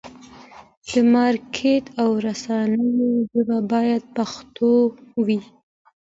د مارکېټ او رسنیو ژبه باید پښتو وي.